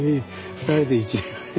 ２人でね。